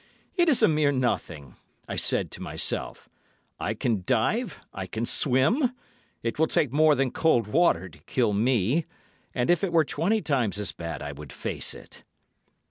'It is a mere nothing,' I said to myself. 'I can dive, I can swim; it will take more than cold water to kill me; and if it were twenty times as bad I would face it.